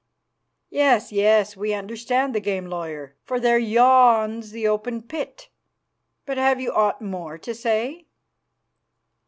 "Yes, yes, we understand the game, lawyer, for there yawns the open pit. But have you aught more to say?"